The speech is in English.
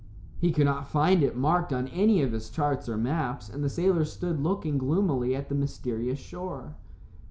He could not find it marked on any of his charts or maps, and the sailors stood looking gloomily at the mysterious shore.